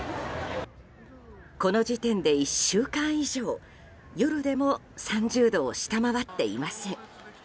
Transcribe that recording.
この時点で１週間以上夜でも３０度を下回っていません。